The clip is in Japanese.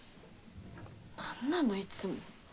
なんなのいつも。